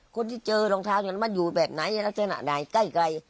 คนที่เจอรองเท้าชมมันอยู่แบบไหนเส้นขนาดใกล้